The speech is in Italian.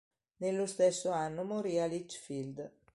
Nello stesso anno morì a Litchfield.